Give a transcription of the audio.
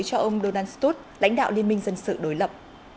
cho ông donald stut lãnh đạo liên minh dân sự đối lập